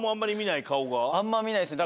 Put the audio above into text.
あんま見ないですね。